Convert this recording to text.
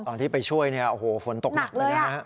ตอนที่ไปช่วยฝนตกหนักเลย